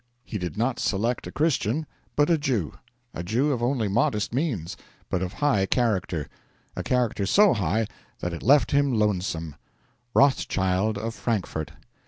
He did not select a Christian, but a Jew a Jew of only modest means, but of high character; a character so high that it left him lonesome Rothschild of Frankfort.